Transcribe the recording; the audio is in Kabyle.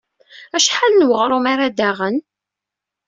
Acḥal n weɣrum ara d-aɣen?